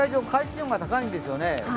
水温が高いんですよね。